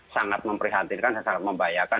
sangat memprihatinkan sangat membahayakan